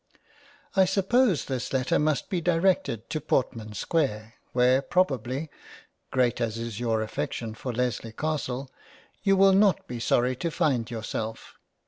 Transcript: I suppose this letter must be directed to Portman Square where probably (great as is your affection for Lesley Castle) you will not be sorry to find yourself.